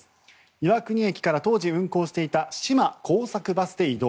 岩国駅から当時運行していた島耕作バスで移動。